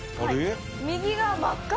右が真っ赤！